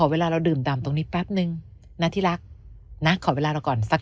เวลาเราดื่มดำตรงนี้แป๊บนึงนะที่รักนะขอเวลาเราก่อนสัก